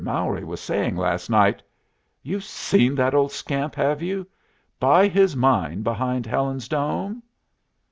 Mowry was saying last night " "You've seen that old scamp, have you? Buy his mine behind Helen's Dome?"